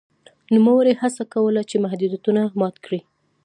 نوموړي هڅه کوله چې محدودیتونه مات کړي.